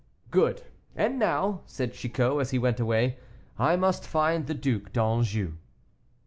"Good. And now," said Chicot, as he went away, "I must find the Duc d'Anjou."